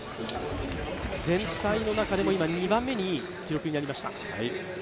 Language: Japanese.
全体の中でも２番目にいい記録になりました。